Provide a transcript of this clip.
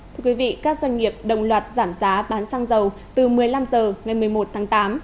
thưa quý vị các doanh nghiệp đồng loạt giảm giá bán xăng dầu từ một mươi năm h ngày một mươi một tháng tám